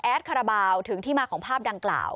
คาราบาลถึงที่มาของภาพดังกล่าว